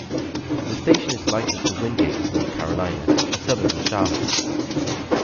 The station is licensed to Wingate, North Carolina, a suburb of Charlotte.